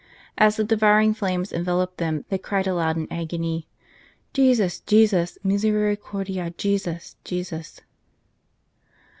As the devouring flames enveloped them they cried aloud in agony, " Jesus ! Jesus ! Misericordia, Jesus ! Jesus